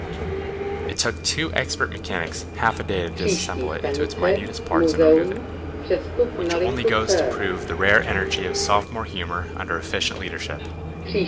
It took two expert mechanics half a day to dissemble it into its minutest parts and remove it, which only goes to prove the rare energy of sophomore humor under efficient leadership.